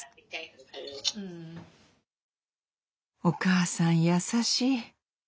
お母さん優しい。